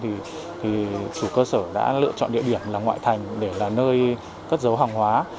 thì chủ cơ sở đã lựa chọn địa điểm là ngoại thành để là nơi cất dấu hàng hóa